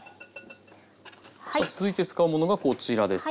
さあ続いて使うものがこちらです。